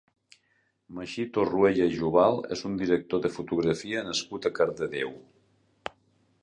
Magí Torruella i Jubal és un director de fotografia nascut a Cardedeu.